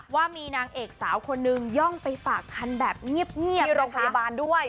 ว่ามีนางเอกสาวคนนึงย่องไปฝากคันแบบเงียบที่โรงพยาบาลด้วย